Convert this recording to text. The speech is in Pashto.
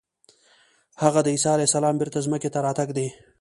هغه د عیسی علیه السلام بېرته ځمکې ته راتګ دی.